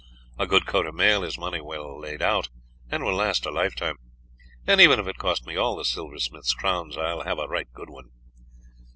A good coat of mail is money well laid out, and will last a lifetime; and even if it cost me all the silversmith's crowns I will have a right good one."